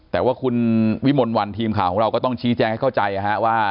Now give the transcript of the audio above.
แต่ว่าคุณวิมลวันทีมข่าวของเราก็ต้องชี้แจงให้เข้าใจว่า